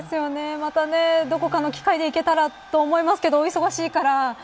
また、どこかの機会で行けたらと思いますがお忙しいから。